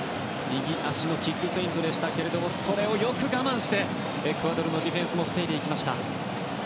右足のキックフェイントでしたがそれをよく我慢してエクアドルのディフェンスも防いでいきました。